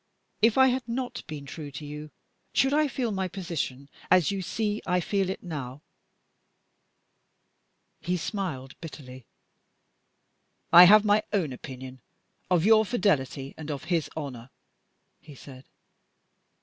If I had not been true to you, should I feel my position as you see I feel it now?" He smiled bitterly. "I have my own opinion of your fidelity and of his honor," he said.